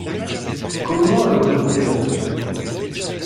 Comment avez-vous trouvé la leçon ?